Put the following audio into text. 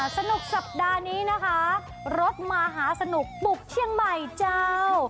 สนุกสัปดาห์นี้นะคะรถมหาสนุกบุกเชียงใหม่เจ้า